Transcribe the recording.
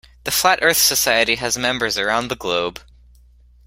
The Flat Earth Society has members around the globe.